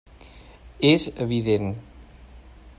És evident.